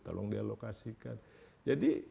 tolong dialokasikan jadi